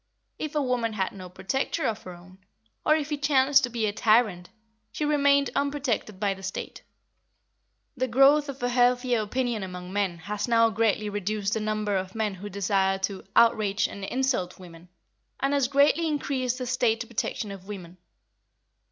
If a woman had no "protector" of her own, or if he chanced to be a tyrant, she remained unprotected by the State. The growth of a healthier opinion among men has now greatly reduced the number of men who desire to "outrage and insult" women, and has greatly increased the State protection of women.